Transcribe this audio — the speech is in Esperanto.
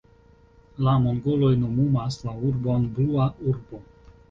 La mongoloj nomumas la urbon Blua urbo.